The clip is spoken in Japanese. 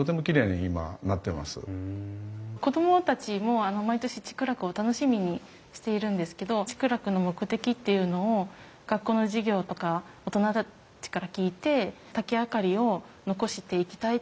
子供たちも毎年竹楽を楽しみにしているんですけど竹楽の目的っていうのを学校の授業とか大人たちから聞いて竹明かりを残していきたい